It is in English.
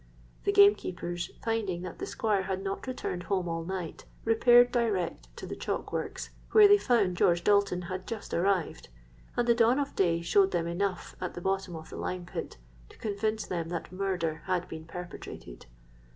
The gamekeepers, finding that the Squire had not returned home all night, repaired direct to the chalk works, where they found George Dalton had just arrived; and the dawn of day showed them enough at the bottom of the lime pit to convince them that murder had been perpetrated.